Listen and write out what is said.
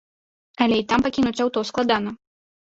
Але і там пакінуць аўто складана.